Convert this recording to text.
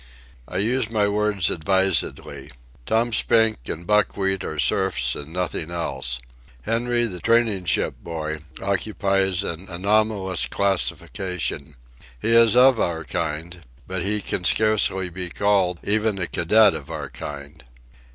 I use my words advisedly. Tom Spink and Buckwheat are serfs and nothing else. Henry, the training ship boy, occupies an anomalous classification. He is of our kind, but he can scarcely be called even a cadet of our kind.